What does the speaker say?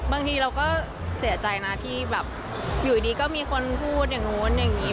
บางทีเราก็เสียใจนะที่แบบอยู่ดีก็มีคนพูดอย่างนู้นอย่างนี้